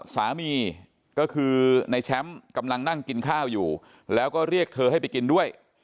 สามีก็คือในแชมป์กำลังนั่งกินข้าวอยู่แล้วก็เรียกเธอให้ไปกินด้วย